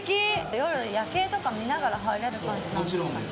夜夜景とか見ながら入れる感じなんですかね？